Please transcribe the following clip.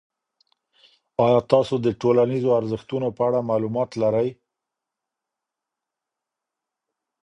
آیا تاسو د ټولنیزو ارزښتونو په اړه معلومات لرئ؟